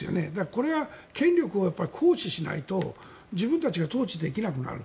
これは権力を行使しないと自分たちが統治できなくなる。